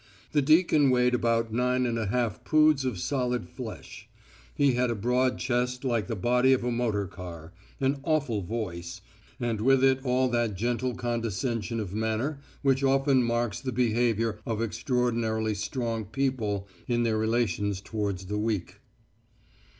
The deacon weighed about nine and a half poods of solid flesh; he had a broad chest like the body of a motor car, an awful voice, and with it all that gentle condescension of manner which often marks the behaviour of extraordinarily strong people in their relations towards the weak.